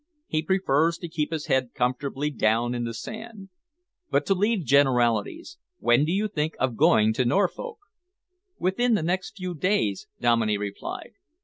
He prefers to keep his head comfortably down in the sand. But to leave generalities, when do you think of going to Norfolk?" "Within the next few days," Dominey replied.